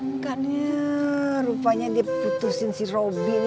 angkatnya rupanya dia putusin si robi